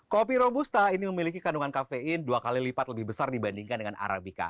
kopi robusta ini memiliki kandungan kafein dua kali lipat lebih besar dibandingkan dengan arabica